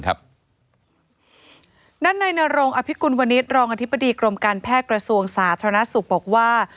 ด้านในนรงอภิกุลวนิษฐ์รองอธิบดีกรมการแพทย์กระทรวงสาธารณสุขบอกว่า